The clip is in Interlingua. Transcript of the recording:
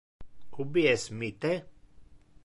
Ubi es mi the?